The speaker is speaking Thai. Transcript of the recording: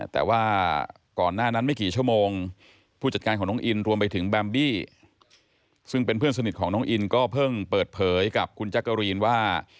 แต่ว่าก่อนหน้านั้นไม่กี่ชั่วโมงผู้จัดการของน้องอินรวมไปถึงแบมบี้ซึ่งเป็นเพื่อนสนิทของน้องอินก็เพิ่งเปิดเผยกับคุณจักรีนว่า